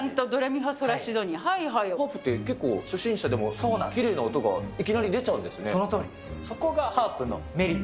ハープって、結構初心者でもきれいな音がいきなり出ちゃうんですね。